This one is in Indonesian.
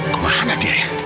kau mahana dia ya